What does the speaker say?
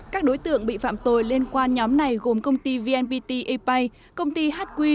các đối tượng bị phạm tội liên quan nhóm này gồm công ty vnpt a pay công ty hq